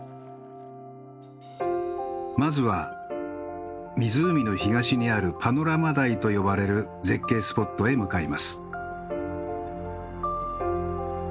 まずは湖の東にあるパノラマ台と呼ばれる絶景スポットへ向かいます。